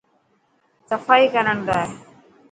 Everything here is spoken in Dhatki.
صفائي ڪرڻ لاءِ.